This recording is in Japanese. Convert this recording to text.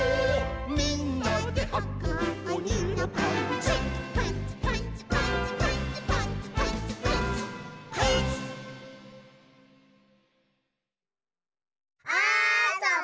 「みんなではこうおにのパンツ」「パンツパンツパンツパンツパンツパンツパンツパンツ」「パンツ」あそぼ！